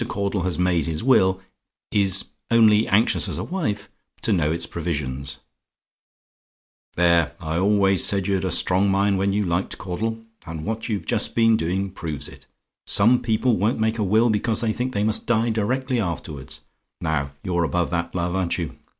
CAUDLE HAS MADE HIS WILL, IS "ONLY ANXIOUS, AS A WIFE," TO KNOW ITS PROVISIONS "There, I always said you'd a strong mind when you liked, Caudle; and what you've just been doing proves it. Some people won't make a will, because they think they must die directly afterwards. Now, you're above that, love, aren't you?